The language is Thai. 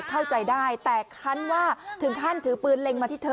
เข้าใจได้แต่คันว่าถึงขั้นถือปืนเล็งมาที่เธอ